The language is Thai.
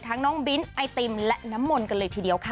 น้องบิ้นไอติมและน้ำมนต์กันเลยทีเดียวค่ะ